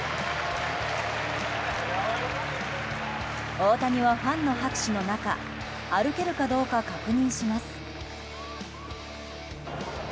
大谷は、ファンの拍手の中歩けるかどうか確認します。